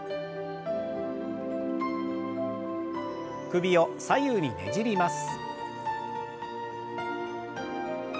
首を左右にねじります。